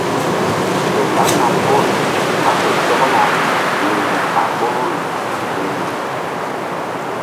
Fe laɓna Pɔl ɓa fe sɔkna hi̧ gun a ɓoruri riŋ.